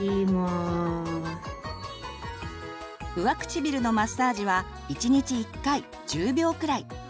上唇のマッサージは１日１回１０秒くらい。